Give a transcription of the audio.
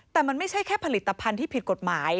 แต่มันไม่ใช่แค่ผลิตภัณฑ์ที่ผิดกฎหมาย